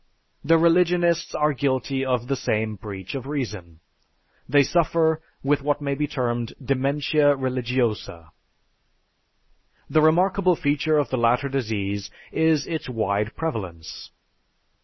The religionists are guilty of the same breach of reason. They suffer with what may be termed, "dementia religiosa." The remarkable feature of the latter disease is its wide prevalence.